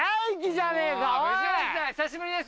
お久しぶりです。